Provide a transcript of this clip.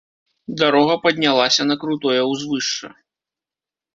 Дарога паднялася на крутое ўзвышша.